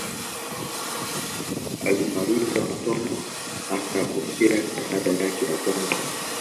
Kwame Nkrumah alimaliza masomo akapokea shahada yake ya kwanza